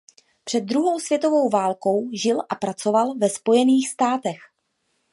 Před druhou světovou válkou žil a pracoval ve Spojených státech.